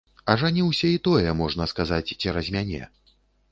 Ажаніўся і тое, можна сказаць, цераз мяне.